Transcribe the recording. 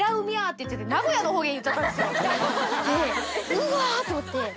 うわぁと思って。